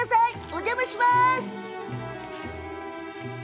お邪魔します。